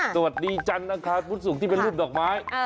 สวัสดีจันทร์นะคะรู้สึกที่เป็นรูปดอกไม้